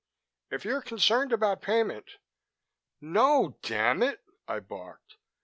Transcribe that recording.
"If you're concerned about payment " "No, damn it," I barked.